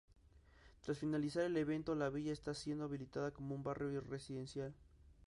Tras finalizar el evento la villa está siendo habilitada como un barrio residencial.